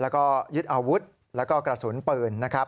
ก็ยึดอาวุธและกระสุนเปลือนนะครับ